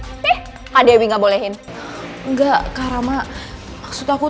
enggak karena maksud aku tuh ya aku nggak mau ada ular di rumah ini karena kan karena